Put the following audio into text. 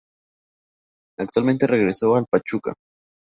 Actualmente Regreso al Pachuca.